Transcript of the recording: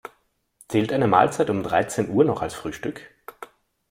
Zählt eine Mahlzeit um dreizehn Uhr noch als Frühstück?